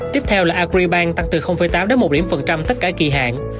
tiếp theo là agribank tăng từ tám đến một điểm phần trăm tất cả kỳ hạn